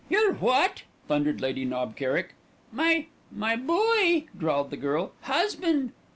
"Your what?" thundered Lady Knob Kerrick. "My my boooy," drawled the girl, "husband.